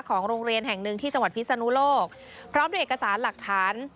ของโรงเรียนแห่งหนึ่งที่จังหวัดพิศนุโลกพร้อมด้วยเอกสารหลักฐาน